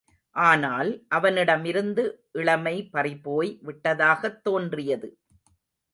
ஆனால், அவனிடமிருந்து இளமை பறிபோய் விட்டதாகத் தோன்றியது.